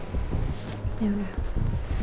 lo ketemuin dia besok ya